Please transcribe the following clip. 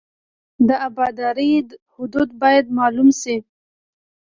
د ابدارۍ حدود باید معلوم شي